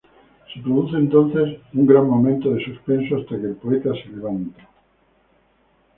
Se produce entonces un gran momento de suspenso hasta que el poeta se levanta.